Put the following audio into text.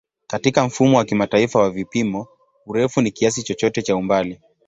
Katika Mfumo wa Kimataifa wa Vipimo, urefu ni kiasi chochote cha umbali.